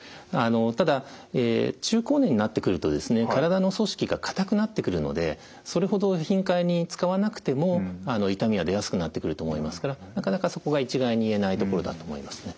ただ中高年になってくると体の組織が硬くなってくるのでそれほど頻回に使わなくても痛みは出やすくなってくると思いますからなかなかそこが一概に言えないところだと思いますね。